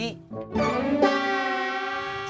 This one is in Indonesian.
tingkat keluarga saya sendiri